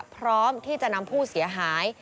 พร้อมที่จะนำผู้เสียหาย